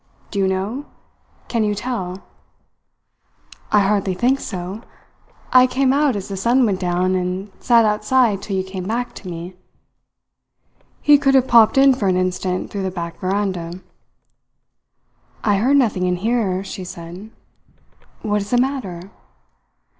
Do you know? Can you tell?" "I hardly think so. I came out as the sun went down, and sat outside till you came back to me." "He could have popped in for an instant through the back veranda." "I heard nothing in here," she said. "What is the matter?"